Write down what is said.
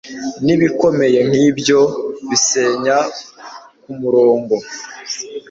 Nibikomeye nkibyo bisenya kumurongo